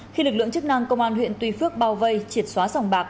khi lực lượng chức năng công an huyện tuy phước bao vây triệt xóa sòng bạc